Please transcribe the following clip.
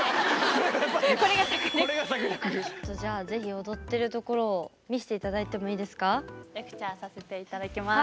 じゃあ是非踊ってるところを見して頂いてもいいですか？レクチャーさせて頂きます。